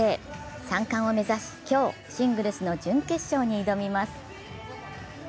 ３冠を目指し、今日、シングルの準決勝に挑みます。